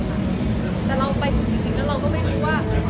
แต่ราวไปเราก็ไม่รู้ว่า